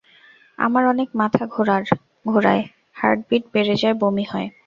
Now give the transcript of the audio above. আমার অনেক মাথা ঘোরায়, হার্ট বিট বেড়ে যায়, বমি হয়।